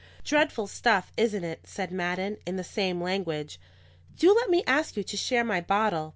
"Dreadful stuff, isn't it?" said Madden, in the same language. "Do let me ask you to share my bottle.